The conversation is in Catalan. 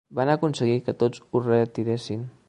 Vam aconseguir que tots ho retiressin.